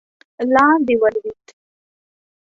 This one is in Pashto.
لاندې ولوېد.